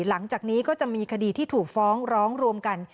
หลังจากนี้ก็จะมีคดีที่ถูกฟ้องร้องรวมกัน